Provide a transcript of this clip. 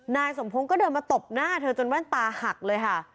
นายสมพงศ์ก็เดินมาตบหน้าเธอจนแว่นตาหักเลยค่ะ